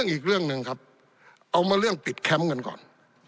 อีกเรื่องหนึ่งครับเอามาเรื่องปิดแคมป์กันก่อน